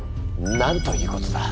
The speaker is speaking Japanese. なんということだ。